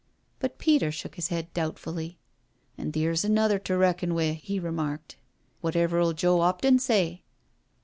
But Peter shook his head doubtfully. " An' theer's another to reckon wi', he remarked. Wotever'U Joe 'Opton say?"